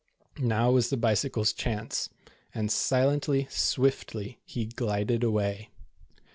Now was the Bicycle's chance, and silently, swiftly, he glided away.